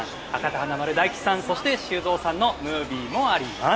華丸・大吉さんそして、修造さんのムービーもあります。